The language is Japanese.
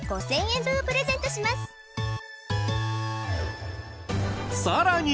５０００円分をプレゼントしますさらに！